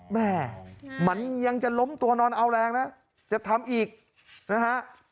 แม่มันยังจะล้มตัวนอนเอาแรงนะจะทำอีกนะฮะ